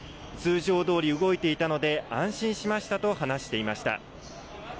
通常どおり動いていたので安心しましたと話していました。